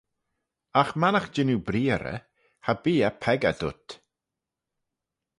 Agh mannagh jean oo breearrey, cha bee eh peccah dhyt.